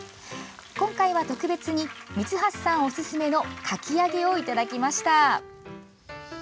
今回は特別に三橋さんおすすめのかき揚げをいただきました。